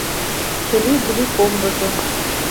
Чыли-вули комбыжо